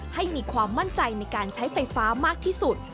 ให้มีความมั่นใจในการใช้ไฟฟ้ามากที่สุด